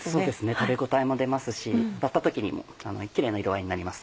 食べ応えも出ますし割った時にもキレイな色合いになります。